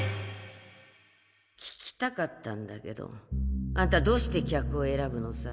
聞きたかったんだけどあんたどうして客を選ぶのさ？